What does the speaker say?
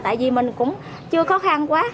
tại vì mình cũng chưa khó khăn quá